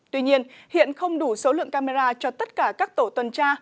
tuy nhiên hiện không đủ số lượng camera cho tất cả các tổ tuần tra